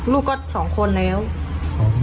ลูกก็๒คนแล้ว